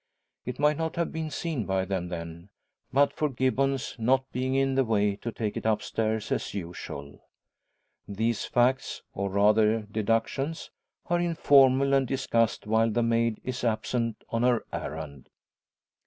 It might not have been seen by them then, but for Gibbons not being in the way to take it upstairs as usual. These facts, or rather deductions, are informal, and discussed while the maid is absent on her errand.